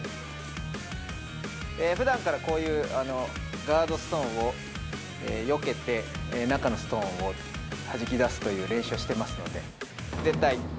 ふだんからこういうガードストーンをよけて、中のストーンをはじき出すという練習はしてますので。